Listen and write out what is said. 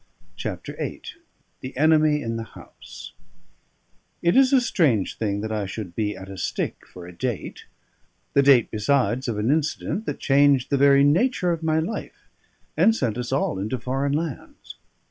CHAPTER VIII THE ENEMY IN THE HOUSE It is a strange thing that I should be at a stick for a date the date, besides, of an incident that changed the very nature of my life, and sent us all into foreign lands.